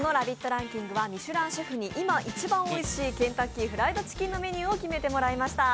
ランキングはミシュランシェフに一番おいしいケンタッキーフライドチキンのメニューを決めていただきました。